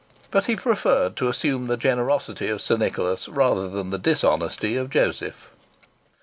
But he preferred to assume the generosity of Sir Nicholas rather than the dishonesty of Joseph.